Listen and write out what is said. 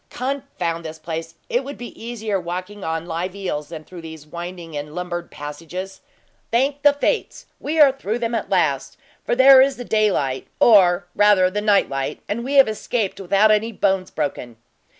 Confound this place! It would be easier walking on live eels than through these winding and lumbered passages. Thank the fates, we are through them, at last! for there is the daylight, or, rather the nightlight, and we have escaped without any bones broken."